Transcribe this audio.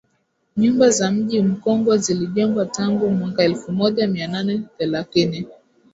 Nyumba za Mji Mkongwe zilijengwa tangu mwaka elfu moja mia nane thelathini